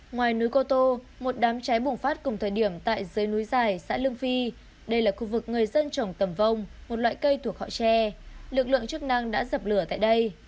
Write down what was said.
ngoài núi cô tô một đám cháy bùng phát cùng thời điểm tại dưới núi dài xã lương phi đây là khu vực người dân trồng tầm vông một loại cây thuộc họ tre lực lượng chức năng đã dập lửa tại đây